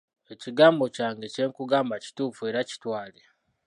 Ekigambo kyange kye nkugamba kituufu era kitwale.